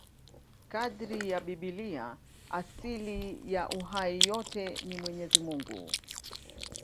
Kadiri ya Biblia, asili ya uhai wote ni Mwenyezi Mungu.